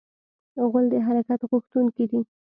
غول د حرکت غوښتونکی دی.